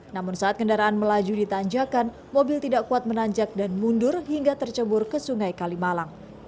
namun saat kendaraan melaju ditanjakan mobil tidak kuat menanjak dan mundur hingga tercebur ke sungai kalimalang